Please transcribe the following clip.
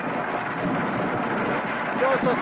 そうそう。